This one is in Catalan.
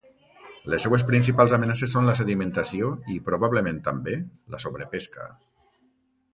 Les seues principals amenaces són la sedimentació i, probablement també, la sobrepesca.